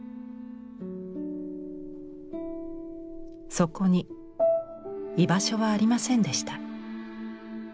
そこに居場所はありませんでした。